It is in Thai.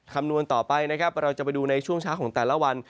คำนวณต่อไปนะครับเราจะไปดูในช่วงเช้าของแต่ละวัน